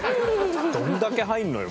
どんだけ入るのよ？